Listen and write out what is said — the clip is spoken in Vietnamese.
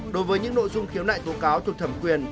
đối với những nội dung khiếu nại tố cáo thuộc thẩm quyền